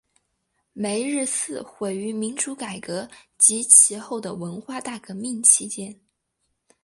梅日寺毁于民主改革及其后的文化大革命期间。